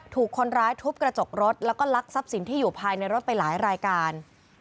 ถูกคนร้ายทุบกระจกรถแล้วก็ลักทรัพย์สินที่อยู่ภายในรถไปหลายรายการ